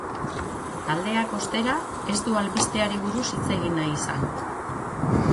Taldeak, ostera, ez du albisteari buruz hitz egin nahi izan.